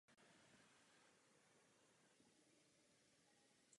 Řád byl udělován jako „uznání a ocenění vynikajících příspěvků pro město Berlín“.